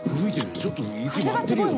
ちょっと雪舞ってるよね。